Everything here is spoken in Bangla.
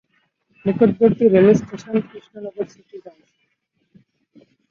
নিকটবর্তী রেলস্টেশন কৃষ্ণনগর সিটি জংশন।